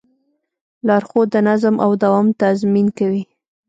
لارښود د نظم او دوام تضمین کوي.